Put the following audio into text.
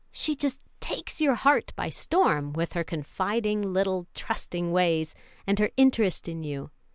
She just takes your heart by storm, with her confiding, little trusting ways and her interest in you.